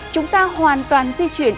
chúng ta hoàn toàn di chuyển